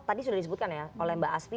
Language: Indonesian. tadi sudah disebutkan ya oleh mbak asfi